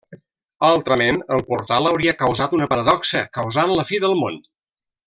Altrament, el portal hauria causat una paradoxa, causant la fi del món.